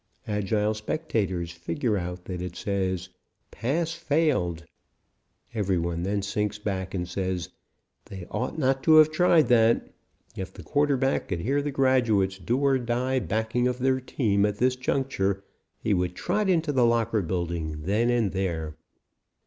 Agile spectators figure out that it says "Pass failed." Every one then sinks back and says, "They ought not to have tried that." If the quarterback could hear the graduates' do or die backing of their team at this juncture he would trot into the locker building then and there.